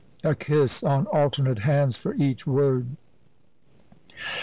a kiss on alternate hands for each word.